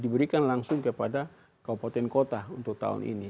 diberikan langsung kepada kabupaten kota untuk tahun ini